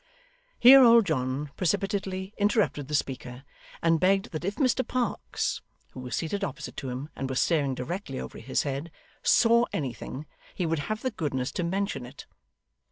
Here old John precipitately interrupted the speaker, and begged that if Mr Parkes (who was seated opposite to him and was staring directly over his head) saw anything, he would have the goodness to mention it.